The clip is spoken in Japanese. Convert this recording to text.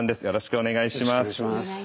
よろしくお願いします。